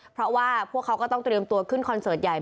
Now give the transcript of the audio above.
เพราะว่าพวกเขาก็ต้องเตรียมตัวขึ้นคอนเสิร์ตใหญ่